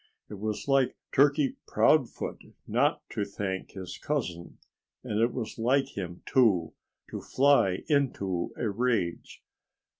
It was like Turkey Proudfoot not to thank his cousin. And it was like him, too, to fly into a rage.